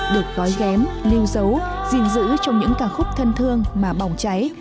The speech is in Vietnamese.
được gói ghém lưu giấu gìn giữ trong những ca khúc thân thương mà bỏng cháy